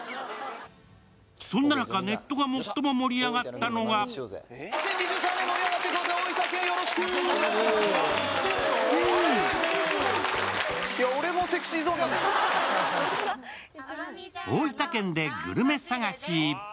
そんな中、ネットが最も盛り上がったのが大分県でグルメ探し。